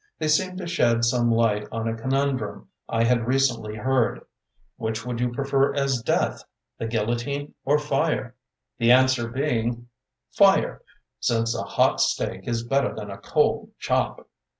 They seemed to shed some light on a conundrum I had re cently heard: "Which would you pre fer as a death, the guillotine or. fire?". the answer being: "Fire, since a hot steak is better than a cold chop".